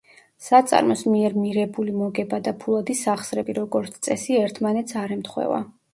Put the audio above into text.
საწარმოს მიერ მირებული მოგება და ფულადი სახსრები, როგორც წესი, ერთმანეთს არ ემთხვევა.